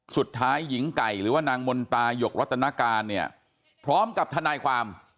สุดท้ายหญิงไก่หรือว่านางมนตายกรัตนาการเนี่ยพร้อมกับทนายความ